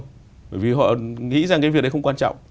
bởi vì họ nghĩ rằng cái việc đấy không quan trọng